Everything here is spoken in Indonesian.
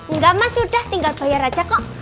enggak mas sudah tinggal bayar aja kok